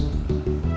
harga sekarang naik